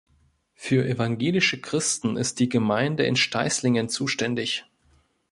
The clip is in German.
Für evangelische Christen ist die Gemeinde in Steißlingen zuständig.